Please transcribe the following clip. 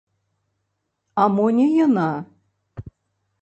А мо не яна?